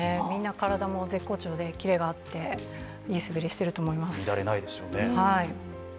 みんな体も絶好調でキレがあっていい滑りをしていると思います。